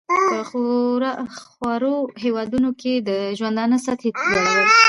په خوارو هېوادونو کې د ژوندانه سطحې لوړول.